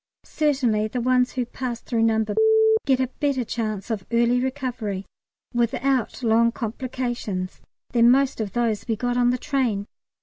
Certainly the ones who pass through No. get a better chance of early recovery without long complications than most of those we got on the train.